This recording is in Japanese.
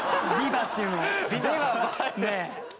ねえ。